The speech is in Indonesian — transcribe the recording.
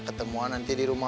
kok mau kok bisa